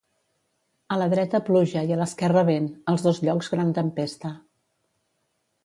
A la dreta pluja i a l'esquerra vent, als dos llocs gran tempesta.